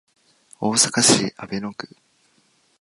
大阪市阿倍野区